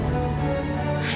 jujur sama mama